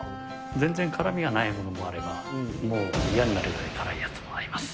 全然辛みがないものもあれば、もう、嫌になるぐらい辛いやつもあります。